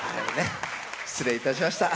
失礼いたしました。